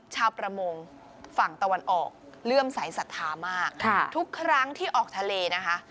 ชาวประมงฝั่งตะวันออกเลื่อมสายศรัทธามากทุกครั้งที่ออกทะเลนะคะ